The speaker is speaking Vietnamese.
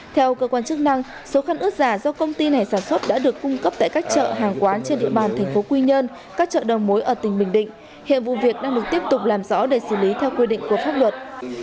theo cơ quan chức năng số khăn ướt giả do công ty này sản xuất đã được cung cấp tại các chợ hàng quán trên địa bàn thành phố quy nhơn các chợ đầu mối ở tỉnh bình định hiện vụ việc đang được tiếp tục làm rõ để xử lý theo quy định của pháp luật